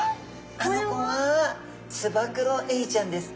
あの子はツバクロエイちゃんです。